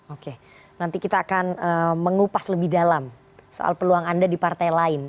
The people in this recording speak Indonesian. oke nanti kita akan mengupas lebih dalam soal peluang anda di partai lain